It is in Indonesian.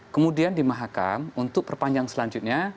kemudian di mahakam untuk perpanjang selanjutnya